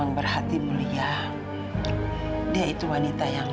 kau bersama yaudah sejar destroying